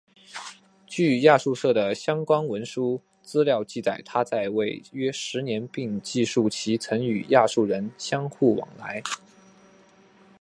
据亚述的相关文书资料记载他在位约十年并记述其曾与亚述人相互往来。